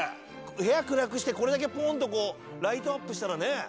部屋暗くしてこれだけライトアップしたらね